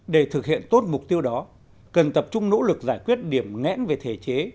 để thực hiện tốt mục tiêu đó cần tập trung nỗ lực giải quyết điểm ngẽn về thể chế